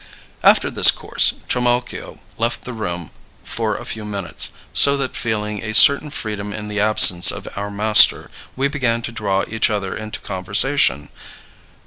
'" After this course, Trimalchio left the room for a few minutes, so that, feeling a certain freedom in the absence of our master, we began to draw each other into conversation.